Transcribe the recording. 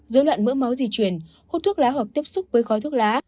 dối loạn mỡ máu di chuyển hút thuốc lá hoặc tiếp xúc với khói thuốc lá